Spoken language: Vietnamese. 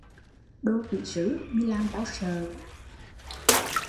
Đồ quỷ sứ, mi làm tau sợ